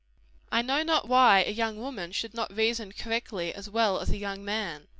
I know not why a young woman should not reason correctly as well as a young man.